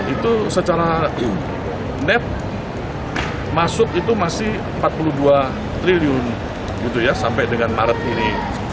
itu secara net masuk itu masih empat puluh dua triliun sampai dengan maret ini